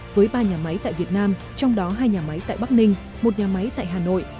với ba nhà máy tại việt nam trong đó hai nhà máy tại bắc ninh một nhà máy tại hà nội